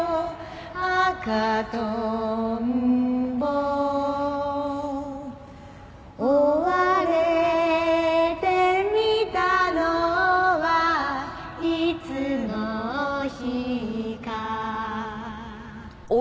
「赤とんぼ」「負われて見たのはいつの日か」